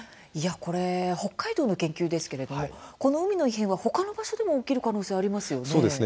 これは北海道の研究ですがこの海の異変は、ほかの場所でも起きる可能性がありますよね。